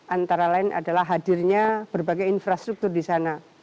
antara lain adalah hadirnya berbagai infrastruktur di sana